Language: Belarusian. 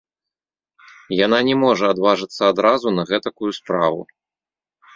Яна не можа адважыцца адразу на гэтакую справу.